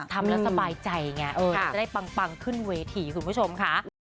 ทำแล้วสบายใจไงจะได้ปังขึ้นเวทีคุณผู้ชมค่ะ